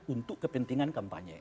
untuk kepentingan kampanye